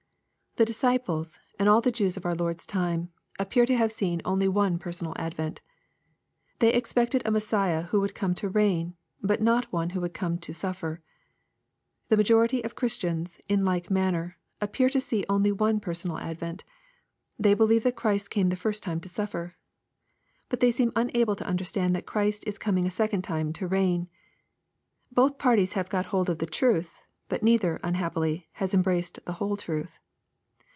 The disciples, and all the Jews of our Lord's time, ap pear to have seen only one personal advent. They ex pected a Messiah who would come to reign, but not one who would come to suffer. — The majority of Christians, in like manner, appear to see only one personal advent. They believe that Christ came the first time to suffer. But they seem unable to understand that Christ is com ing a second time to reign. Both parties have got hold of the truth, but neither, unhappily, has embraced the whole truth.